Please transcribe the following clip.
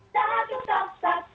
satu tak satu